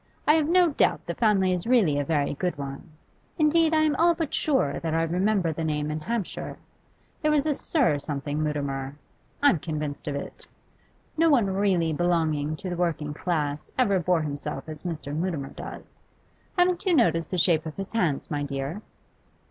I have no doubt the family is really a very good one. Indeed, I am all but sure that I remember the name in Hampshire; there was a Sir something Mutimer I'm convinced of it. No one really belonging to the working class ever bore himself as Mr. Mutimer does. Haven't you noticed the shape of his hands, my dear?